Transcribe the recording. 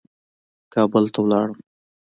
کابل ته ولاړم.